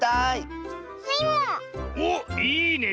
おっいいね。